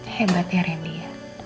hebat ya randy